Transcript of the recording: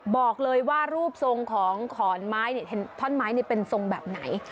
บอกเลยว่ารูปทรงของขอนไม้ท่อนไม้เป็นทรงแบบไหน